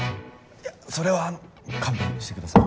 それはあの勘弁してください。